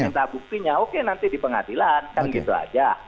sehingga kalau tadi minta buktinya oke nanti di pengadilan kan gitu aja